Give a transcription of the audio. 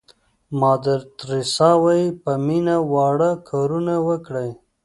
مادر تریسیا وایي په مینه واړه کارونه وکړئ.